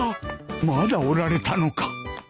まだおられたのか